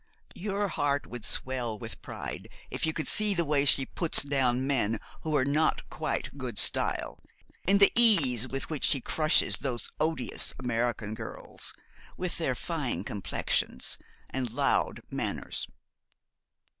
Your heart would swell with pride if you could see the way she puts down men who are not quite good style; and the ease with which she crushes those odious American girls, with their fine complexions and loud manners.